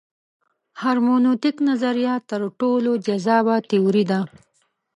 هرمنوتیک نظریه تر ټولو جذابه تیوري ده.